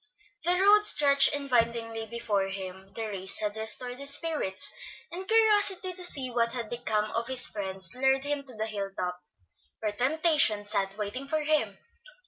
The road stretched invitingly before him, the race had restored his spirits, and curiosity to see what had become of his friends lured him to the hill top, where temptation sat waiting for him.